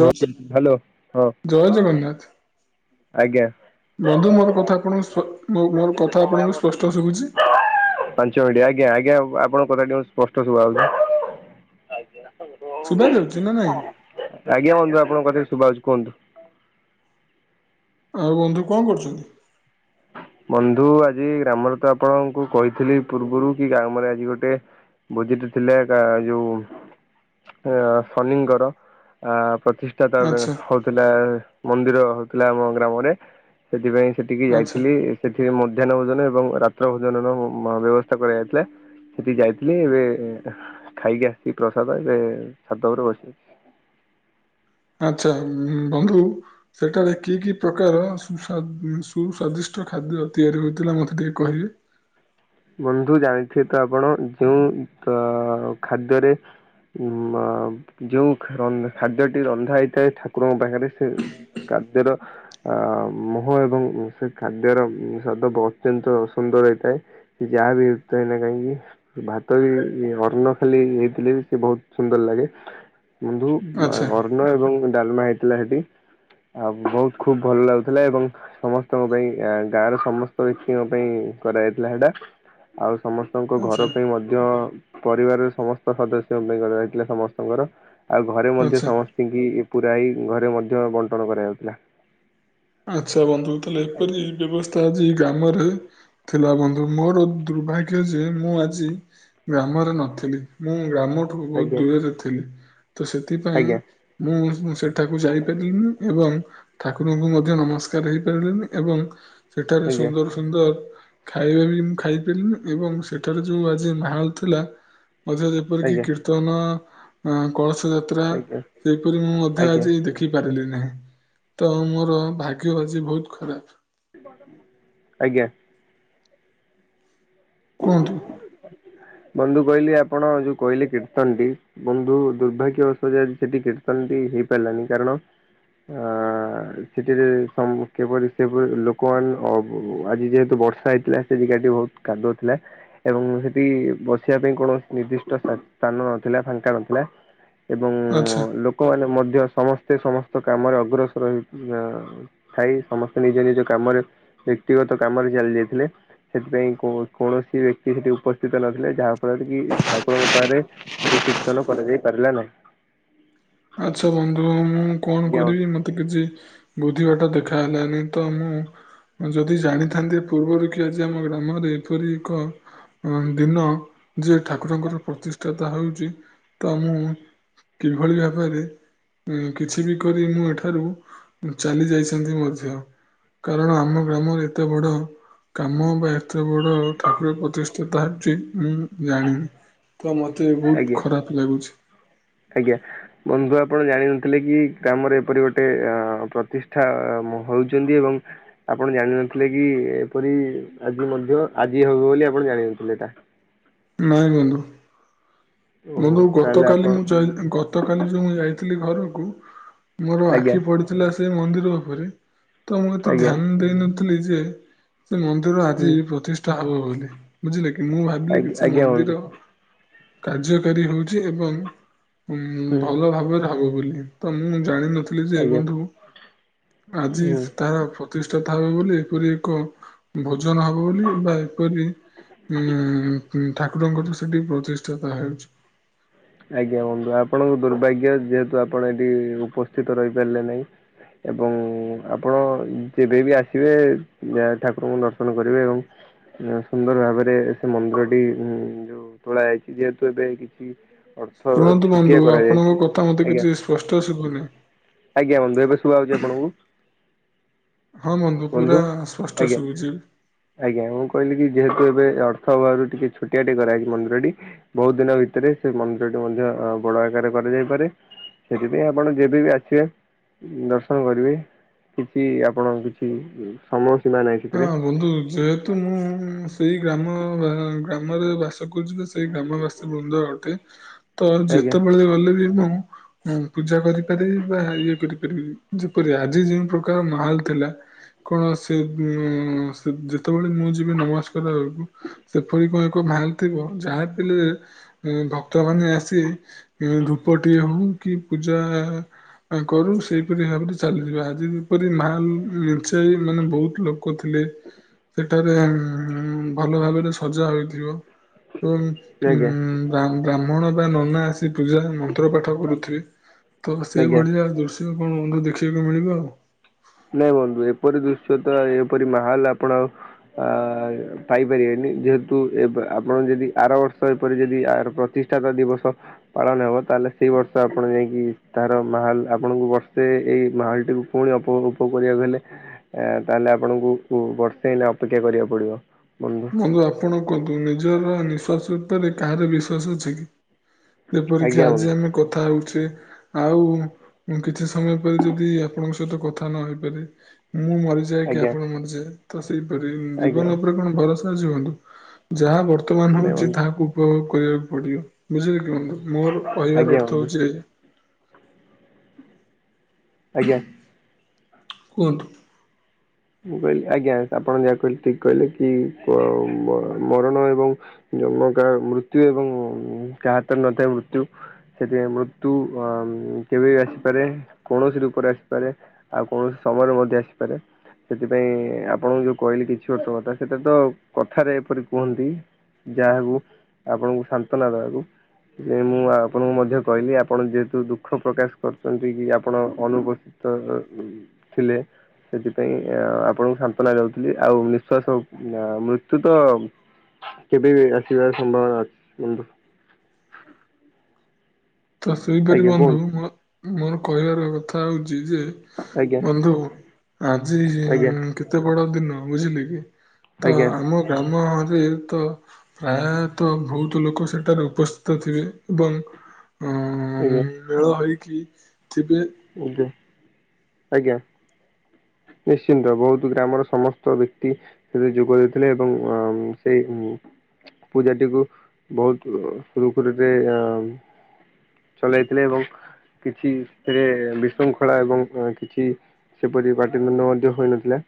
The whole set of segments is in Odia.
ଜ ହ୍ୟାଲୋ ହଁ ଜୟ ଜଗନ୍ନାଥ। ଆଜ୍ଞା ବନ୍ଧୁ ମୋର କଥା ଆପଣ ମୋର କଥା ଆପଣଙ୍କୁ ସ୍ପଷ୍ଟ ଶୁବୁଛି? ପାଞ୍ଚ ମିନିଟ ଆଜ୍ଞା ଆଜ୍ଞା ଆପଣଙ୍କ କଥା ଟିକେ ସ୍ପଷ୍ଟ ସବାଯାଉଚି। ଶୁଭା ଯାଉଚି ନା ନାଇଁ? ଆଜ୍ଞା ବନ୍ଧୁ ଆପଣଙ୍କ କଥା ସୁଭାଯାଉଚି କୁହନ୍ତୁ। ଆଉ ବନ୍ଧୁ କଣ କରୁଚନ୍ତି? ବନ୍ଧୁ ଆଜି ଗ୍ରାମରେ ତ ଆପଣଙ୍କୁ କହିଥିଲି ପୂର୍ବରୁ କି ଗ୍ରାମରେ ଆଜି ଗୋଟେ ଭୋଜିଟେ ଥିଲେ ଏକା ଯୋଉ ଶନିଙ୍କର ପ୍ରତିଷ୍ଠ ଆଚ୍ଛା [unintelligible] ହୋଉଥିଲା ମନ୍ଦିର ହେଲା ଆମ ଗ୍ରାମରେ ସେଥିପାଇଁ ସେଠିକି ଯାଇ ଆଚ୍ଛା ସେଠି ମଧ୍ୟାହ୍ନ ଭୋଜନ ଏବଂ ରାତ୍ର ଭୋଜନର ବ୍ୟବସ୍ଥା କରାଯାଇଥିଲା। ସେଠି ଯାଇଥିଲି ଏବେ ଖାଇକି ଆସିଥିଲି ପ୍ରସାଦ ଏବେ ଛାତ ଉପରେ ବସି ଆଚ୍ଛା ବନ୍ଧୁ ସେଠାରେ କି କି ପ୍ରକାର ସୁ ସୁସ୍ୱାଦିଷ୍ଟ ଖାଦ୍ୟ ତିଆରି ହେଉଥିଲା ମୋତେ ଟିକେ କହିବେ? ବନ୍ଧୁ ଜାଣିଥିବେ ତ ଆପଣ ଯୋଉଁ ଅ ଖାଦ୍ୟରେ ଯେଉଁ ଖାଦ୍ୟଟି ରନ୍ଧା ହେଇଥାଏ, ଠାକୁରଙ୍କ ପାଖରେ ସେ କାର୍ଯ୍ୟର ଅ ମୁଁହ ଏବଂ ସେ ଖାଦ୍ୟର ସ୍ଵାଦ ବୋହୁତ ସୁନ୍ଦର ହେଇଥାଏ। ଯାହା [unintelligible] ନା କାଇଁକ କି ଭାତ ବି ଅନ୍ନ ଖାଲି ହେଇଥିଲେ ସେ ବୋହୁତ ସୁନ୍ଦର ଲାଗେ। ବନ୍ଧୁ ଆଚ୍ଛା ଅନ୍ନ ଏବଂ ଡାଲମା ହେଇଥିଲା ସେଠି ଆଉ ବୋହୁତ ଖୁବ ଭଲ ଲାଗୁଥିଲା ଏବଂ ସମସ୍ତଙ୍କ ପାଇଁ ଆ ଗାଁ ର ସମସ୍ତ ବ୍ୟକ୍ତିଙ୍କ ପାଇଁ କରାଯାଇଥିଲା ସେଟା। ଆଉ ସମସ୍ତଙ୍କ ଘର ଆଚ୍ଛା ପାଇଁ ମଧ୍ୟ ମଧ୍ୟ ପରିବାରର ସମସ୍ତ ସଦସ୍ୟଙ୍କ ପାଇଁ ରହିଥିଲା ସମସ୍ତଙ୍କର ଆଉ ଘରେ ମଧ୍ୟ ଆଚ୍ଛା। ସମସ୍ତ ସେତିକି ପୁରା ହେଇ ଘରେ ମଧ୍ୟ ବଣ୍ଟନ କରାଯାଉଥିଲା। ଆଚ୍ଛା ବନ୍ଧୁ ତାହଲେ ଆଜ୍ଞା ଏପରି ବ୍ୟବସ୍ଥା ଆଜି ଗ୍ରାମରେ ଥିଲା ବନ୍ଧୁ ମୋର ଦୁର୍ଭାଗ୍ୟ ଯେ ମୁଁ ଆଜି ଗ୍ରାମରେ ନଥିଲି ମୁଁ ଗ୍ରାମଠୁ ବଲବି ବୋହୁତ ଆଜ୍ଞା ଦୂରରେ ଥିଲି, ତ ସେଥିପାଇଁ ଆଜ୍ଞା ମୁଁ ସେଠାକୁ ଯାଇପାରିଲିନି ଏବଂ ଠାକୁରଙ୍କୁ ସୂର୍ଯ୍ୟ ନମସ୍କାର ହେଇପାରିଲେନି ଏବଂ ସେଠାରେ ସୁନ୍ଦର ସୁନ୍ଦର ଖାଇବା ବି ମୁଁ ଖାଇପାରିନି ଏବଂ ସେଠାରେ ଯୋଉ ଆଜି ମାହଲ ଥିଲା ମଝିରେ ଯେପରିକି କୀର୍ତ୍ତନ ଅଁ କଳସ। ରଥ ଯାତ୍ରା ଆଜ୍ଞା ଆଜ୍ଞା ସେହିପରି ମୁଁ ମଧ୍ୟ ଆଜ୍ଞା ଆଜି ଦେଖି ପାରିଲି ନାହିଁ ତ ମୋର ଭାଗ୍ୟ ଆଜି ବହୁତ ଖରାପ। ଆଜ୍ଞା। କୁହନ୍ତୁ। ବନ୍ଧୁ କହିଲି ଆପଣ ଯୋଉ କହିଲେ କୀର୍ତ୍ତନ ଟି ବନ୍ଧୁ ଦୁର୍ଭାଗ୍ୟ ବଶତ ଆଜି ସେଠି କୀର୍ତ୍ତନ ଟି ହେଇପାରିଲାନି କାରଣ ଆ [unintelligible] କିପରି ସେପରି ଲୋକମାନେ ଅ ଆଜି ଯେହେତୁ ବର୍ଷା ହେଇ ଥିଲା ସେ ଜାଗାଟି ବହୁତ କାଦୁଅ ଥିଲା। ଏବଂ ସେଠି ବସିବା ପାଇଁ କୌଣସି ନିର୍ଦ୍ଦିଷ୍ଟ ସ୍ଥାନ ନଥିଲା ଫାଙ୍କା ନଥିଲା। ଏବଂ ଆଚ୍ଛା ଲୋକମାନେ ମଧ୍ୟ ସମସ୍ତେ ସମସ୍ତ କାମରେ ଅଗ୍ରସର ହେଇକି ଆଁ ଥାଇ ସମସ୍ତେ ନିଜ ନିଜ କାମରେ ବ୍ୟକ୍ତିଗତ କାମରେ ଚାଲିଯାଇଥିଲେ ସେଥିପାଇଁ କୋ କୌଣସି ବ୍ୟକ୍ତି ସେଠି ଉପସ୍ଥିତ ନଥିଲେ ଯାହା ଫଳରେ କି ଠାକୁରଙ୍କ ପାଖରେ ଟିକେ କୀର୍ତ୍ତନ କରାଯାଇ ପାରିଲା ନାହିଁ। ଆଚ୍ଛା ବନ୍ଧୁ ମୁଁ କଣ ଆଜ୍ଞା କରିବି ମତେ କିଛି ବୁଦ୍ଧି ବାଟ ଦେଖା ହେଲାନି ତ ମୁଁ ଯଦି ଜାଣିଥାନ୍ତି ପୂର୍ବରୁ କି ଆଜି ଆମ ଗ୍ରାମରେ ଏପରି ଏଖ ଅ ଦିନ ଯିଏ ଠାକୁରଙ୍କର ପ୍ରତିଷ୍ଠାତା ହଉଚି ତ ମୁଁ କିଭଳି ଭାବରେ କିଛି ବି କରି ମୁଁ ଏଠାରୁ ଚାଲି ଯାଇଛନ୍ତି ମଧ୍ୟ କାରଣ ଆମ ଗ୍ରାମରେ ଏତେ ବଡ କାମ ବା ଏତେ ବଡ଼ ଠାକୁର ପ୍ରତିଷ୍ଠା ତା ହେଉଛି ମୁଁ ଜାଣିନି। ତ ମତେ ବହୁତ ଆଜ୍ଞା। ଖରାପ ଲାଗୁଛି। ଆଜ୍ଞା। ବନ୍ଧୁ ଆପଣ ଜାଣିନଥିଲେ କି ଗ୍ରାମରେ ଏପରି ଗୋଟେ ଅ ପ୍ରତିଷ୍ଠା ହଉଛନ୍ତି ଏବଂ ଆପଣ ଜାଣିନଥିଲେ କି ଏପରି ଆଜି ମଧ୍ୟ ଆଜି ହବ ବୋଲି ଆପଣ ଜାଣିନଥିଲେ ଏଟା। ନାଇଁ ବନ୍ଧୁ। ଓହୋ ବନ୍ଧୁ ତାହେଲେ ଗତକାଲି ଆପଣ ମୁଁ ଯାଇ ଗ ଗତ କାଲି ଯୋଉ ମୁଁ ଯାଇଥିଲି ଘରକୁ ମୋର ଆଜ୍ଞା ଆଖି ପଡିଥିଲା ସେ ମନ୍ଦିର ଉପରେ ତ ମୁଁ ଏତେ ଆଜ୍ଞା ଧ୍ୟାନ ଦେଇନଥିଲି ଯେ ସେ ମନ୍ଦିର ହୁଁ। ଆଜି ପ୍ରତିଷ୍ଠ ଷ୍ଟା ହବ ବୋଲି ବୁଝିଲେ କି ମୁଁ ଭାବିଲି ଆଜ୍ଞା କି ସେ ଆଜ୍ଞା ବନ୍ଧୁ ମନ୍ଦିର କାର୍ଯ୍ୟକାରୀ ହଉଚି ଏବଂ ହୁଁ ଭଲ ଭାବରେ ହବ ବୋଲି ତ ମୁଁ ଜାଣି ନ ଥିଲି ଯେ ଆଜ୍ଞା ବନ୍ଧୁ ଆଜି ହୁଁ। ତାର ପ୍ରତିଷ୍ଠା ତା ହବ ବୋଲି ଏପରି ଏକ ଭୋଜନ ହବ ବୋଲି ବା ଏପରି ଉଁ ଠାକୁରଙ୍କର ସେଠି ପ୍ରଚି ଷ୍ଟା ହେଉଚି। ଆଜ୍ଞା ବନ୍ଧୁ ଆପଣଙ୍କ ଦୁର୍ଭାଗ୍ୟ ଯେହେତୁ ଆପଣ ଏଠି ଉପସ୍ଥିତ ରହିପାରିଲେ ନାହିଁ। ଏବଂ ଆପଣ ଯେବେ ବି ଆସିବେ ଠାକୁରଙ୍କୁ ଦର୍ଶନ କରିବେ ଆଉ। ସୁନ୍ଦର ଭାବରେ ସେ ମନ୍ଦିରଟି ଉ ଯୋଉ ତୋଳା ହେଇଚି ଯେହେତୁ ଏବେ କିଛି ଅର୍ଥ ଶୁଣନ୍ତୁ ଛୋଟିଆ ବନ୍ଧୁ କରାଯାଇଛି ଆପଣଙ୍କ କଥା ମତେ ଆଜ୍ଞା କିଛି ସ୍ପଷ୍ଟ ଶୁଭୁନି। ଆଜ୍ଞା ବନ୍ଧୁ ଏବେ ଶୁଭା ହଉଚି ଆପଣଙ୍କୁ। ହଁ ବନ୍ଧୁ ପୁରା ସ୍ପଷ୍ଟ ଆଜ୍ଞା ଶୁଭୁଛି। ଆଜ୍ଞା ମୁଁ କହିଲି କି ଯେହେତୁ ଏବେ ଅର୍ଥ ଅଭାବ ରୁ ଟିକେ ଛୋଟିଆ ଟେ କରାହେଇଚି ମନ୍ଦିର ଟି ବହୁତ ଦିନ ଭିତରେ ସେ ମନ୍ଦି [unintelligible] ବଡ ଆକାରରେ କରାଯାଇପାରେ ସେଥିପାଇଁ ଆପଣ ଯେବେ ବି ଆସିବେ ଦର୍ଶନ କରିବେ କିଛି ଆପଣଙ୍କ କିଛି ସମୟ ସୀମା ନାହିଁ ହଁ ସେଥିରେ। ବନ୍ଧୁ ଯେ ହେତୁ ମୁଁ ସେଇ ଗ୍ରାମ ଗ୍ରାମରେ ବାସ କରୁଚି ତ ସେଇ ଗ୍ରାମବାସୀ ବୃନ୍ଦ ଅଟେ। ତ ଆଜ୍ଞା ଯେତେବେଳେ ଗଲେ ବି ମୁଁ ହଁ ପୂଜା କରିପାରିବି ବା ଇଏ କରିପାରିବି ଯେପରି ଆଜି ଯେଉଁ ପ୍ରକାର ମାହଲ ଥିଲା କଣ ସେ ବି ସେ ଯେତେବେଳେ ମୁଁ ଯିବି ନମସ୍କାର ବେଳକୁ ସେପରି କଣ ଏକ ମାହଲ ଥିବ ଯାହା ପିଲେ ଏ ଭକ୍ତମାନେ ଆସି ଏ ଧୂପଟିଏ ହୋଉ କି ପୂଜା ଆ କରୁ ସେଇପରି ଭାବରେ ଚାଲିଯିବେ ଆଜି ଯେପରି ମାହଲ ନିଞ୍ଚେଇଗଲାଣି ବୋହୁତ ଲୋକ ଥିଲେ ସେଠାରେ ଉଁ ଭଲ ଭାବରେ ସଜା ହୋଇଥିବ। ଓଁ ଉଁ ଆଜ୍ଞା ବା ବ୍ରାହ୍ମଣ ବା ନନା ଆସି ପୂଜାରେ ମନ୍ତ୍ର ପାଠ କରୁଥିବେ ତ ସେଇ ଆଜ୍ଞା ଭଳିଆ ଦୃଶ୍ ଶ୍ୟ କଣ ବନ୍ଧୁ ଦେଖିବାକୁ ମିଳିବ ଆଉ। ନାଇଁ ବନ୍ଧୁ ଏପରି ଦୃଶ୍ୟ ତ ଆଆ ଏପରି ମାହାଲ ଆପଣ ଆଉ ଆ ପାଇପାରିବେନି ଯେହେତୁ ଏବେ ଆପଣ ଯଦି ଆର ବର୍ଷ ଏପରି ଯଦି ଆର ପ୍ରତିଷ୍ ଥାକ ଦିବସ ପାଳନ ହେବ ତାହେଲେ ସେଇ ବର୍ଷ ଆପଣ ଯାଇକି ତାହାର ମାହାଲ ଆପଣଙ୍କୁ ବର୍ଷେ ଏଇ ମାହଲଟିକୁ ପୁଣି ଆପଣଙ୍କୁ କଁ କରିବାକୁ ହେଲେ ଏ ତାହେଲେ ଆପଣଙ୍କୁ କୁ ବର୍ଷେ ଏଇନା ଅପେକ୍ଷା କରିବାକୁ ପଡିବ ବ କିନ୍ତୁ ଆପଣ କୁହନ୍ତୁ ନିଜର ନିଶ୍ୱାସ ଉପରେ କାହାର ବିଶ୍ଵାସ ଅଛି କି? ଯେପରିକି ଆଜ୍ଞା ବନ୍ଧୁ ଆଜି ଆମେ କଥା ହୋଉଚେ ଆଉ କିଛି ସମୟ ପରେ ଯଦି ଆପଣଙ୍କ ସହିତ କଥା ନହେଇପାରେ ମୁଁ ମରି ଯାଏ କି ଆଜ୍ଞା ଆପଣ ମରିଯାଏ ତ ସେଇପରି ଆଜ୍ଞା ଜୀବନ ଉପରେ କଣ ଭରସା ଅଛି ବନ୍ଧୁ ଯାହା ବର୍ ବର୍ତ୍ତମାନ ନାଇଁ ହୋଉଚି ବନ୍ଧୁ ତାହାକୁ ଉପଭୋଗ କରିବାକୁ ପଡ଼ିବ ବୁଝିଲେ କି ବନ୍ଧୁ ମୋର କହିବାର ଆଜ୍ଞା ଅର୍ଥ ବନ୍ଧୁ ହୋଉଚି ଆଜ୍ଞା। କୁହନ୍ତୁ। ମୁଁ କହିଲି ଆଜ୍ଞା ଆପଣ ଯାହା କହିଲେ ଠିକ କହିଲେ କି କ ମ ମରଣ ଏବଂ ଜମକା ମୃତ୍ୟୁ ଏବଂ କାହା ହାତରେ ନଥାଏ ମୃତ୍ୟୁ। ସେଥିପାଇଁ ମୃତ୍ୟୁ ଆ କେବେ ବି ଆସିପାରେ କୌଣସି ରୂପରେ ଆସିପାରେ। ଆଉ କୌଣସି ସମୟରେ ମଧ୍ୟ ଆସିପାରେ। ସେଥିପାଇଁ ଆପଣଙ୍କୁ ଯୋଉ କହିଲି କିଛି ବର୍ଷ କଥା ସେଟା ତ କଥାରେ ଏପରି କୁହନ୍ତି। ଯାହାକୁ ଆପଣଙ୍କୁ ସାନ୍ତ୍ୱନା ଦେବାକୁ। ଯେ ମୁଁ ଆପଣଙ୍କୁ ମଧ୍ୟ କହିଲି ଆପଣ ଯେହେତୁ ଦୁଃଖ ପ୍ରକାଶ କରୁଚନ୍ତି କି ଆପଣ ଅନୁପସ୍ ତ ଅ ଉ ଥିଲେ ସେଥିପାଇଁ ଆ ଆପଣଙ୍କୁ ସାନ୍ତ୍ୱନା ଯାଉଥିଲି ଆଉ ନିଃଶ୍ଵାସ ଆ ମୃତ୍ୟୁ ତ କେବେ ବି ଆସିବାର ସମ୍ଭାବନା ଅଛି କିନ୍ତୁ ତ ସେହିପରି ଆଜ୍ଞା ବନ୍ଧୁ କୁହନ୍ତୁ ମୋ ମୋ କହିବାର କଥା ହୋଉଚି ଯେ ଆଜ୍ଞା ବନ୍ଧୁ ଆଜି ହେ ଆଜ୍ଞା କେତେ ବଡ ଦିନ ବୁଝିଲେ କି। ତ ଆଜ୍ଞା ଆମ ଗ୍ରାମରେ ତ ପ୍ରାୟତଃ ଭୋଉତ ଲୋକ ସେଠାରେ ଉପସ୍ଥିତ ଥିବେ ଏବଂ ହଁ ଆଜ୍ଞା ଆଜ୍ଞା ମେଳ ହେଇକି ଥିବେ। ଆଜ୍ଞା ଆଜ୍ଞା। ନିଶ୍ଚିନ୍ତ ବୋହୁତୁ ଗ୍ରାମର ସମସ୍ତ ବ୍ୟକ୍ତି ସେଥିରେ ଯୋଗ ଦେଇଥିଲେ ଏବଂ ଆମ୍ ସେଇ ପୂଜାଟିକୁ ବୋହୁତ ସୁରୁଖୁରୁରେ ଅଁ ଚଲାଇଥିଲେ ଏବଂ କିଛି ଏଥିରେ ବିଶୃଙ୍ଖଳା ଏବଂ କିଛି ସେପରି ପାଟିତୁଣ୍ଡ ମଧ୍ୟ ହୋଇନଥିଲା।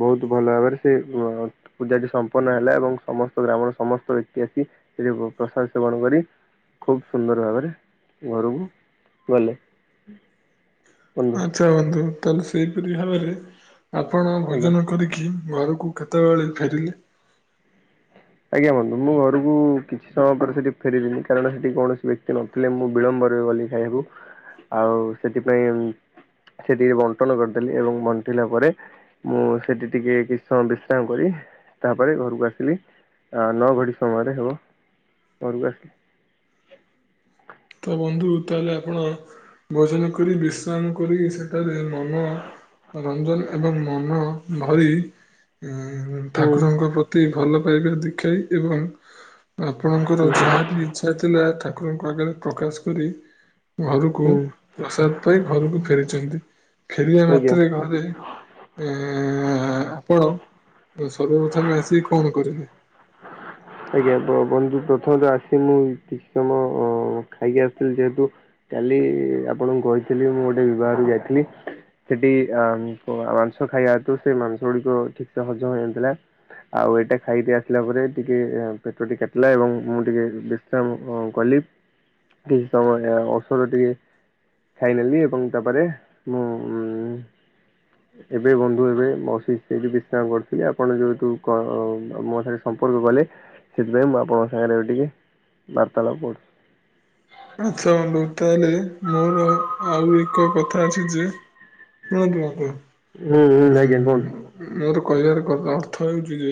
ବୋହୁତ ଭଲ ଭାବରେ ସିଏ ୱା ପୂଜାଟି ସମ୍ପନ୍ନ ହେଲା ଏବଂ ସମସ୍ତ ଗ୍ରାମର ସମସ୍ତ ବ୍ୟକ୍ତି ଆସି ସେଥିରେ ପ୍ରସାଦ ସେବନ କରି ଖୁବ ସୁନ୍ଦର ଭାବରେ ଘରକୁ ଗଲେ। ବନ୍ଧୁ ଆଛା ବନ୍ଧୁ ତାହେଲେ ସେହିପରି ଭାବରେ ଆପଣ ଆଜ୍ଞା ଭୋଜନ କରିକି ଘରକୁ କେତେବେଳେ ଫେରିଲେ? ଆଜ୍ଞା ବନ୍ଧୁ ମୁଁ ଘରକୁ କିଛି ସମୟ ପରେ ସେଠି ଫେରିଲିନି କାରଣ ସେଠି କୌଣସି ବ୍ୟକ୍ତି ନ ଥିଲେ ମୁଁ ବିଳମ୍ବରେ ଗଲି ଖାଇବାକୁ ଆଉ ସେଥିପାଇଁ ଏମ୍ ସେ ଟିକେ ବଣ୍ଟନ କରିଦେଲି ଏବଂ ବଣ୍ଟିଲା ପରେ ମୁଁ ସେଇଠି ଟିକେ କିଛି ସମୟ ବିଶ୍ରାମ କରି ତାପରେ ଘରକୁ ଆସିଲି। ଆ ନଅ ଘଡ଼ି ସମୟରେ ହେବ ଘରକୁ ଆସିଲି। ତ ବନ୍ଧୁ ତାହେଲେ ଆପଣ ଭୋଜନ କରି ବିଶ୍ରାମ କରି ସେଠାରେ ମନ ରଞ୍ଜନ ଏବଂ ମନ ଭରି ଉଁ ହୁଁ ଠାକୁରଙ୍କ ପ୍ରତି ଭଲ ପାଇବା ଦେଖାଇ ଏବଂ ଆପଣଙ୍କର ହୁଁ ଯାହାବି ଇଚ୍ଛା ଥିଲା ଠାକୁରଙ୍କ ଆଗରେ ପ୍ରକାଶ କରି ଘରକୁ ହୁଁ ପ୍ରସାଦ ପାଇ ଘରକୁ ଫେରିଚନ୍ତି, ଫେରିବା ଆଜ୍ଞା ମାତ୍ରେ ଘରେ ଏଁ ଆପଣ ସର୍ବପ୍ରଥମେ ଆସି କଣ କରିଲେ? ଆଜ୍ଞା ବନ୍ଧୁ ପ୍ରଥମେ ତ ଆସି ମୁଁ କିଛି ସମୟ ଖାଇକି ଆସିଥିଲି ଯେହେତୁ କାଲି ଆପଣଙ୍କୁ କହିଥିଲି ମୁଁ ଗୋଟେ ବିବାଘର କୁ ଯାଇଥିଲି। ସେଠି ଆ ମାଂସ ଖାଇବା ହେତୁ ସେ ମାଂସ ଗୁଡିକ ଠିକ୍ ସେ ହଜମ ହେଇନଥିଲା। ଆଉ ଏଇଟା ଖାଇଦେଇ ଆସିଲା ପରେ ଟି କେ ପେଟଟି କାଟିଲା ଏବଂ ମୁଁ ଟିକେ ବିଶ୍ରାମ କଲି। କିଛି ସମୟ ଔଷଧ ଟିକେ ଖାଇନେଲି ଏବଂ ତାପରେ ମୁଁ ଏବେ ବନ୍ଧୁ ଏବେ ବସି ସେଇଠି ବିଶ୍ରାମ କରିୁଥିଲି, ଆପଣ ଯେହେତୁ କ ମୋ ସାଙ୍ଗେରେ ସମ୍ପର୍କ କଲେ। ସେଥିପାଇଁ ମୁଁ ଆପଣଙ୍କ ସାଙ୍ଗେରେ ଏବେ ଟିକେ ବାର୍ତ୍ତାଳାପ କରୁଚି। ଆଚ୍ଛା [unintelligible] ତାହେଲେ ମୋର ଆଉ ଏକ କଥା ଅଛି ଯେ [unintelligible] ହୁଁ ହୁଁ ଆଜ୍ଞା କୁହନ୍ତୁ ଉଁ ମୋର କହିବାର ଅର୍ଥ ହେଉଚି ଯେ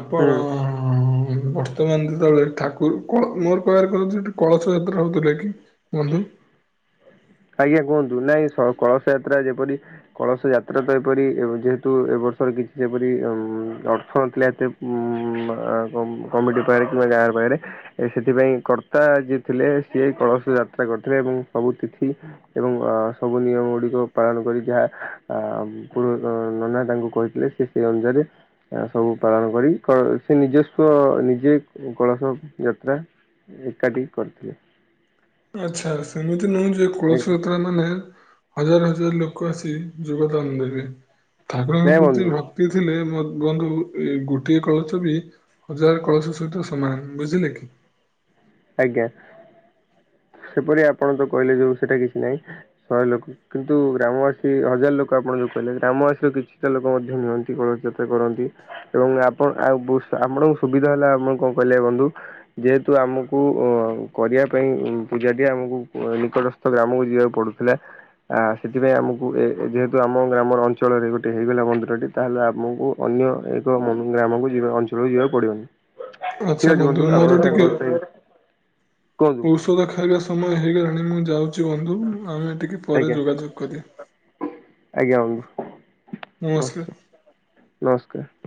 ଆପଣ ହୁଁ ବ ର୍ତ୍ତମାନ୍ ଯେତବଳେ ଠାକୁର କଣ ମୋର କହିବାର [unintelligible] କଳସ ଯାତ୍ରା ହଉଥିଲା କି ବନ୍ଧୁ? ଆଜ୍ଞା କୁହନ୍ତୁ, ନାଇଁ ସ କଳସ ଯାତ୍ରା ଯେପରି କଳସ ଯାତ୍ରା ତ ଏପରି ଯେହେତୁ ଏ ବର୍ଷର କିଛି ଯେପରି ଅର୍ଥ ନଥିଲା ଏତେ ଉଁ କମିଟି ପାଖେରେ କିମ୍ବା ଗାଁ ପାଖେରେ ଏ ସେଥିପାଇଁ କର୍ତ୍ତା ଯିଏ ଥିଲେ ସିଏ କଳସ ଯାତ୍ରା କରିଥିଲେ ଏବଂ ସବୁଥି ଏବଂ ସବୁ ନିୟମ ଗୁଡିକ ପାଳନ କରିକି ଆ ପୁରୋ ନନା ତାଙ୍କୁ କହିଥିଲେ ସେ ସେଇ ଅନୁଯାରେ ସବୁ ପାଳନ କରି କ ସେ ନିଜସ୍ୱ ନିଜେ କଳସ ଯାତ୍ରା ଏକାଠି କରିଥିଲେ। ଆଚ୍ଛା ସେମିତି ନୁହଁ ଯେ କୁଳସୀ ଆଜ୍ଞା ଯାତ୍ରା ନ ହେନେ ହଜାର-ହଜାର ଲୋକ ଆସି ଯୋଗଦାନ ଦେବେ, ଠାକୁରଙ୍କ ନାଇଁ ପ୍ରତି ବନ୍ଧୁ ଭ କ୍ତି ଥିଲେ ମୋ ବନ୍ଧୁ ଏ ଗୋଟିଏ କଳସ ବି ହଜାର କଳସ ସହିତ ସମାନ ବୁଝିଲେ କି। ଆଜ୍ଞା ସେପରି ଆପଣ ତ କହିଲେ ଯୋଉ ସେଟା କିଛି ନାହିଁ ଶହେ ଲୋକ କିନ୍ତୁ ଗ୍ରାମବାସୀ ହଜାର ଲୋକ ଆପଣ ଯୋଉ କହିଲେ ଗ୍ରାମବାସୀର କିଛିଟା ଲୋକ ମଧ୍ୟ ନିଅନ୍ତି କଳସ ଯାତ୍ରା କରନ୍ତି। ଏବଂ ଆପଣ ଆଉ ଆପଣଙ୍କୁ ସୁବିଧା ହେଲା ଆପଣ କଣ କହିଲେ ବନ୍ଧୁ ଯେହେତୁ ଆମକୁ କୁ କରିବା ପାଇଁ ପୂଜାଟିଏ ଆମକୁ ନିକଟସ୍ଥ ଗ୍ରାମକୁ ଯିବାକୁ ପଡ଼ୁଥିଲା। ଆ ସେଥିପାଇଁ ଆମକୁ ଏ ଯେହେତୁ ଆମ ଗ୍ରାମର ଅଞ୍ଚଳରେ ଗୋଟେ ହେଇଗଲା ମନ୍ଦିରଟି। ତାହେଲେ ଆମକୁ ଅନ୍ୟ ଏକ ଗ୍ରାମକୁ ଯିବା ଅଞ୍ଚଳକୁ ଯିବାକୁ ପଡ଼ିବନି। ଆଚ୍ଛା ବନ୍ଧୁ ମୋର ଟିକେ କୁହନ୍ତୁ ଔଷଦ ଖାଇବା ସମୟ ହେଇଗଲାଣି ମୁଁ ଯାଉ ଚି ବନ୍ଧୁ ଆମେ ଟିକେ ପରେ ଆଜ୍ଞା ଯୋଗାଯୋଗ କରିଆ। ନମସ୍କାର। [unintelligible] ନମସ୍କାର୍।